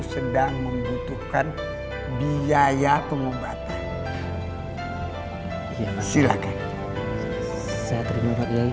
sedang membutuhkan biaya pengobatan silakan